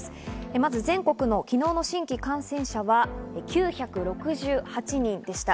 まずは全国の昨日の新規感染者は９６８人でした。